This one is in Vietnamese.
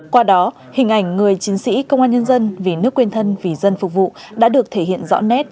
qua đó hình ảnh người chiến sĩ công an nhân dân vì nước quên thân vì dân phục vụ đã được thể hiện rõ nét